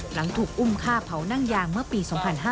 หลังถูกอุ้มฆ่าเผานั่งยางเมื่อปี๒๕๕๙